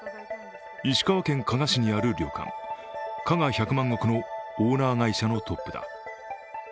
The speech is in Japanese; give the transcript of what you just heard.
石川県加賀市にある旅館加賀百万石のオーナー会社のトップだ。